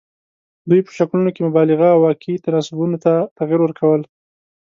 دوی په شکلونو کې مبالغه او واقعي تناسبونو ته تغیر ورکول.